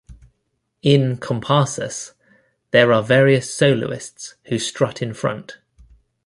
In Comparsas, there are various soloists who strut in front.